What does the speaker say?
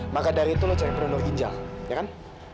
maka dari itu lo cari pendonor ginjal ya kan